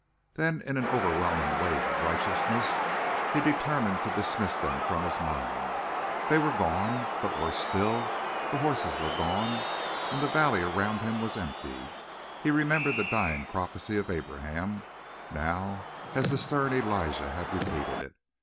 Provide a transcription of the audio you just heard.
Then, in an overwhelming wave of righteousness, he determined to dismiss them from his mind. They were gone; but worse still, the horses were gone, and the valley around him was empty! He remembered the dying prophecy of Abraham, now, as the stern Elijah had repeated it.